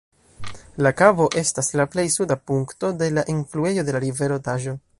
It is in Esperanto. La kabo estas la plej suda punkto de la enfluejo de la rivero Taĵo.